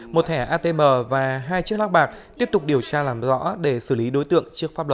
một thẻ atm và hai chiếc lắc bạc tiếp tục điều tra làm rõ để xử lý đối tượng